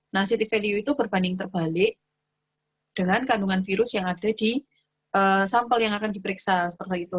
nah city value itu berbanding terbalik dengan kandungan virus yang ada di sampel yang akan diperiksa seperti itu